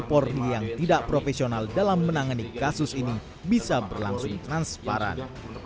polri yang tidak profesional dalam menangani kasus ini bisa berlangsung transparan